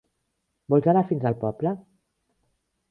Vols anar fins al poble?